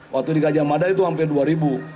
waktu di gajah mada itu hampir dua ribu